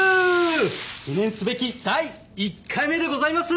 記念すべき第１回目でございます